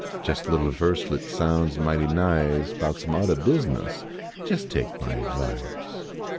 Jes a little verselet sounds mighty nice Bout some oddah business ; jes take my advice.